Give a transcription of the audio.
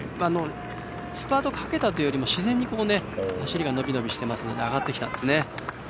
スパートかけたというよりも自然に走りが伸び伸びしていますので上がってきたんですね。